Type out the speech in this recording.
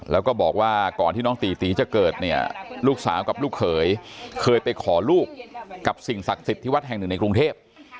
แล้วก็บอกว่าก่อนที่น้องตีตีจะเกิดเนี่ยลูกสาวกับลูกเขยเคยไปขอลูกกับสิ่งศักดิ์สิทธิ์ที่วัดแห่งหนึ่งในกรุงเทพ